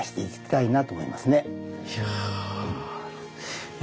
いや。